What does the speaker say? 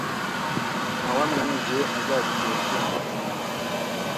Ntawamenya igihe azagutera icyuma inyuma.